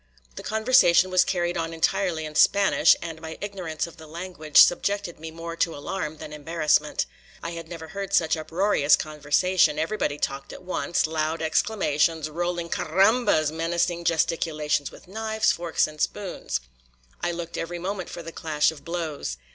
The conversation was carried on entirely in Spanish, and my ignorance of the language subjected me more to alarm than embarrassment. I had never heard such uproarious conversation; everybody talked at once, loud exclamations, rolling "carambas," menacing gesticulations with knives, forks, and spoons. I looked every moment for the clash of blows.